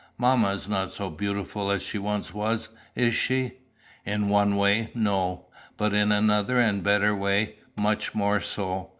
Mamma is not so beautiful as she once was, is she?" "In one way, no; but in another and better way, much more so.